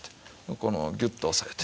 このギュッと押さえて。